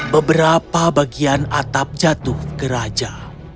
beberapa bagian atap jatuh ke raja